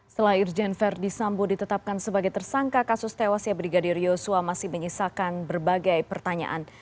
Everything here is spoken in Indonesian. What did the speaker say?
setelah irjen verdi sambo ditetapkan sebagai tersangka kasus tewasnya brigadir yosua masih menyisakan berbagai pertanyaan